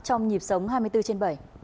trong nhịp sống hai mươi bốn trên bảy